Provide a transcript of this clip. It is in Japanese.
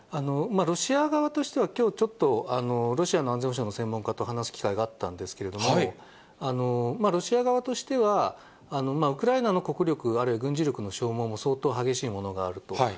ロシア側としては、きょうちょっと、ロシアの安全保障の専門家と話す機会があったんですけども、ロシア側としては、ウクライナの国力、あるいは軍事力の消耗も、相当激しいものがあると。